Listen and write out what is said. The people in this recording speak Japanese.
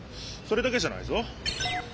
それだけじゃないぞ。